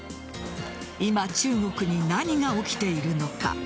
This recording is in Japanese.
今、中国に何が起きているのか。